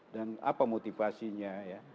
dan apa motivasinya ya